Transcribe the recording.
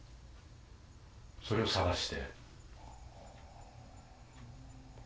それを捜して？